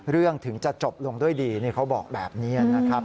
เรื่องถึงจะจบลงด้วยดีเขาบอกแบบนี้นะครับ